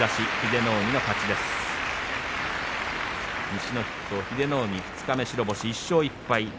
西の筆頭英乃海二日目白星、１勝１敗。